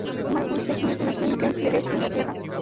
Marcus Sedgwick nació en Kent Del este, Inglaterra.